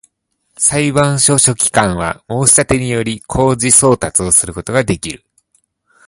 裁判所書記官は、申立てにより、公示送達をすることができる